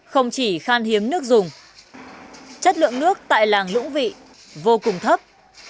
không chỉ khan hiếm nước dùng chất lượng nước tại làng lũng vị vô cùng thấp